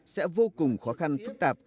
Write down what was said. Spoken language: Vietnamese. sẽ vô cùng khó khăn phức tạp